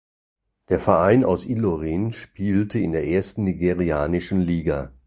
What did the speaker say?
Der Verein aus Ilorin spielte in der ersten nigerianischen Liga.